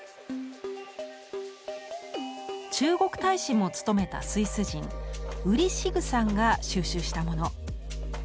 中国大使も務めたスイス人ウリ・シグさんが収集したもの。